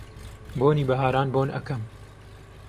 بۆنی بەهاران بۆن ئەکەم